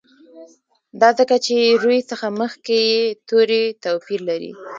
دا ځکه چې روي څخه مخکي یې توري توپیر لري.